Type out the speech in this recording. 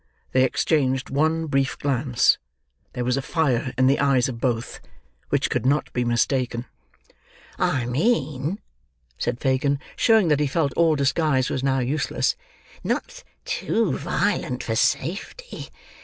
They exchanged one brief glance; there was a fire in the eyes of both, which could not be mistaken. "I mean," said Fagin, showing that he felt all disguise was now useless, "not too violent for safety.